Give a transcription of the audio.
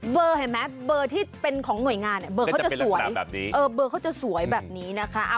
เบอร์เห็นไหมเบอร์ที่เป็นของหน่วยงานเบอร์เขาจะสวยแบบนี้นะคะ